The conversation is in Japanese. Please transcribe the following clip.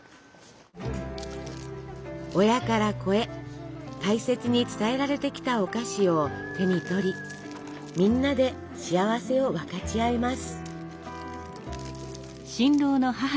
親から子へ大切に伝えられてきたお菓子を手に取りみんなで幸せを分かち合います。